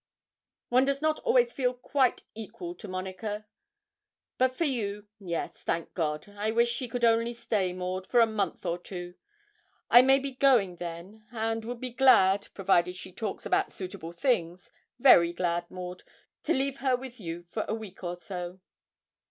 'One does not always feel quite equal to Monica. But for you yes, thank God. I wish she could only stay, Maud, for a month or two; I may be going then, and would be glad provided she talks about suitable things very glad, Maud, to leave her with you for a week or so.'